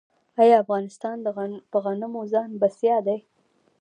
آیا افغانستان په غنمو ځان بسیا دی؟